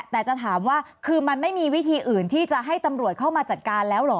แต่จะถามว่าคือมันไม่มีวิธีอื่นที่จะให้ตำรวจเข้ามาจัดการแล้วเหรอ